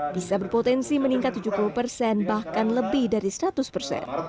bisa berpotensi meningkat tujuh puluh persen bahkan lebih dari seratus persen